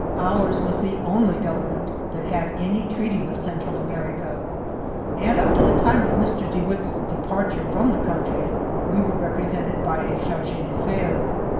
Ours was the only gOTernment th^it had any treaty with Central America, and, up to the time of Mr. De Witt's departure from the country, we were represented by a charge d'affidres.